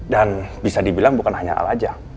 dan bisa dibilang bukan hanya al aja